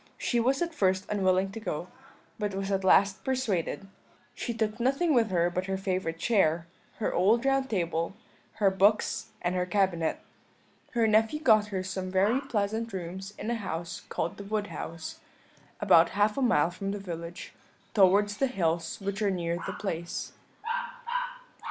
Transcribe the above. She was at first unwilling to go, but was at last persuaded; she took nothing with her but her favourite chair, her old round table, her books, and her cabinet. Her nephew got her some very pleasant rooms in a house called the Wood House, about half a mile from the village, towards the hills which are near the place.